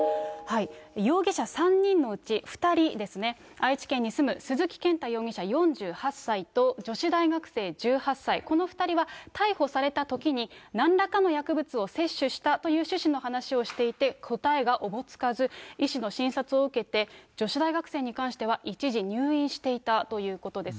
容疑者３人のうち２人ですね、愛知県に住む鈴木健太容疑者４８歳と、女子大学生１８歳、この２人は、逮捕されたときになんらかの薬物を摂取したという趣旨の話をしていて、答えがおぼつかず、医師の診察を受けて、女子大学生に関しては、一時入院していたということです。